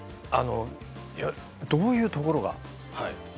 どういうところが？